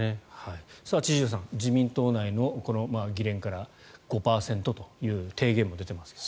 千々岩さん、自民党内の議連から５％という提言も出ていますが。